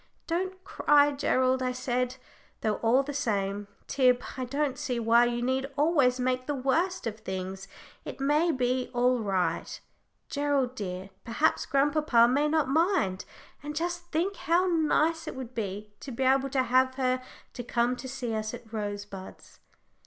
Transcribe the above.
"Don't cry, Gerald," I said; "though, all the same, Tib, I don't see why you need always make the worst of things. It may be all right, Gerald dear perhaps grandpapa may not mind. And just think how nice it would be to be able to have her to come to see us at Rosebuds!"